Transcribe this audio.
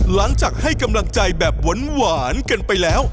หลังจากให้กำลังใจแบบหวานกันไปแล้ว